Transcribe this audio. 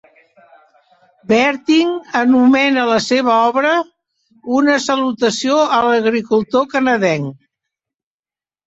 Berting anomena la seva obra "Una salutació a l'agricultor canadenc".